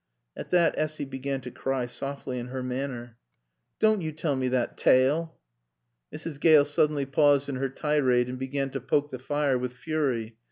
At that Essy began to cry, softly, in her manner. "Doan' yo tall mae thot taale." Mrs. Gale suddenly paused in her tirade and began to poke the fire with fury.